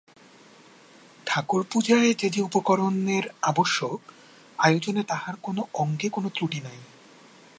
ঠাকুরপূজায় যে যে উপকরণের আবশ্যক, আয়োজনে তাহার কোন অঙ্গে কোন ত্রুটি নাই।